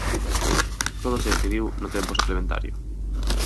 Todo se decidiu no tempo suplementario.